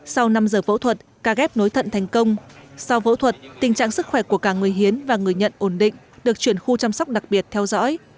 sau năm giờ phẫu thuật ca ghép nối thận thành công sau phẫu thuật tình trạng sức khỏe của cả người hiến và người nhận ổn định được chuyển khu chăm sóc đặc biệt theo dõi